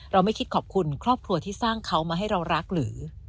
ไม่คิดขอบคุณครอบครัวที่สร้างเขามาให้เรารักหรือ